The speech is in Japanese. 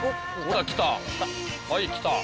はい来た。